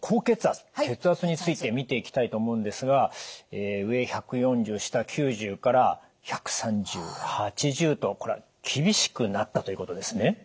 血圧について見ていきたいと思うんですが上１４０下９０から１３０／８０とこれは厳しくなったということですね？